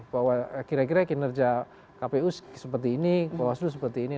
bahwa kira kira kinerja kpu seperti ini bawaslu seperti ini